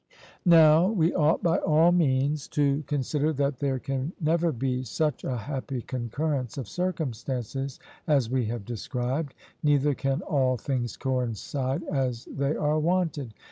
Now we ought by all means to consider that there can never be such a happy concurrence of circumstances as we have described; neither can all things coincide as they are wanted.